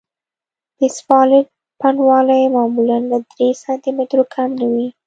د اسفالټ پنډوالی معمولاً له درې سانتي مترو کم نه وي